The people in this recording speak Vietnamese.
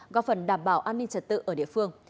góp phần đảm bảo an ninh trật tự ở địa phương